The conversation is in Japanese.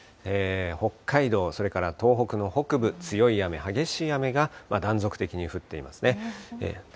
北海道、それから東北の北部、強い雨、激しい雨が断続的に降っていますね。